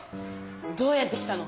どうやって来たの？